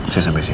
saya sampai sini